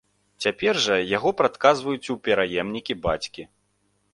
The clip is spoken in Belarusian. Цяпер жа яго прадказваюць у пераемнікі бацькі.